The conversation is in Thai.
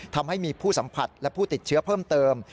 ทำให้มีผู้สัมผัสและผู้ติดเชื้อเพิ่มเติม